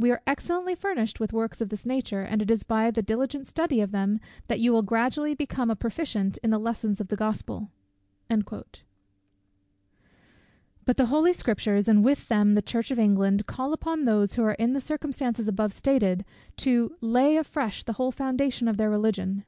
We are excellently furnished with works of this nature; and it is by the diligent study of them that you will gradually become a proficient in the lessons of the Gospel." But the holy Scriptures, and with them the Church of England, call upon those who are in the circumstances above stated, to lay afresh the whole foundation of their Religion.